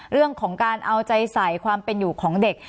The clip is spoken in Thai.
เรื่องของการเอาใจใส่ความเป็นอยู่ของเด็ก